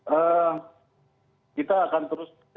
eee kita akan terus